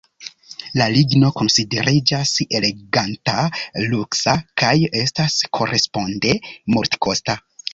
La ligno konsideriĝas eleganta, luksa kaj estas koresponde multekosta.